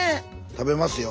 食べますよ。